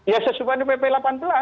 ya sesuai pp delapan belas